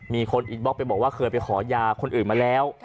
มีคนอินบล็อกไปบอกว่าเคยไปขอยาคนอื่นมาแล้ว